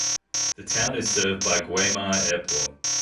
The town is served by Guemar Airport.